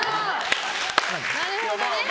なるほどね。